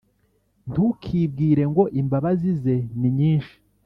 Ntukibwire ngo «Imbabazi ze ni nyinshi,